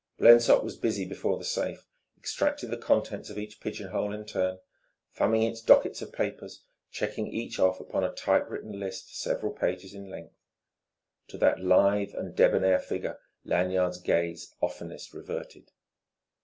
Blensop was busy before the safe, extracting the contents of each pigeonhole in turn, thumbing its dockets of papers, checking each off upon a typewritten list several pages in length. To that lithe and debonair figure Lanyard's gaze oftenest reverted.